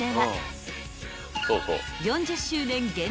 ［４０周年限定